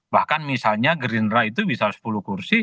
bahkan misalnya gerindra itu bisa sepuluh kursi